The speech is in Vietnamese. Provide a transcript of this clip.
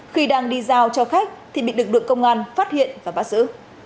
khi đang đi giao cho khách thì bị được được công an phát hiện và bắt giữ